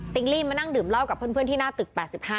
ติ๊งลี่มานั่งดื่มราวกับเพื่อนที่หน้าตึก๘๕